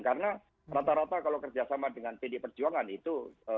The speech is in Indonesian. karena rata rata kalau kerjasama dengan pdi perjuangan itu